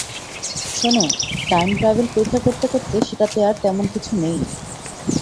শোনো, time travel পরীক্ষা করতে করতে সেটাতে আর তেমন কিছু নেই।